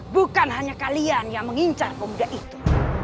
bukan hanya kalian yang mengincar pemuda itu